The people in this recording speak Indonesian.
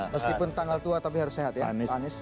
meskipun tanggal tua tapi harus sehat ya pak anies